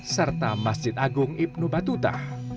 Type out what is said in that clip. serta masjid agung ibnu batuta